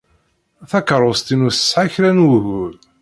Takeṛṛust-inu tesɛa kra n wugur.